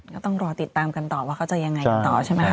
ก็ต้องรอติดตามกันต่อว่าเขาจะยังไงกันต่อใช่ไหมคะ